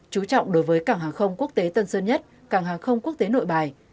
chú trọng đối với cảng hàng không quốc tế tân sơn nhất cảng hàng không quốc tế nội bài